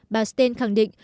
bà stein khẳng định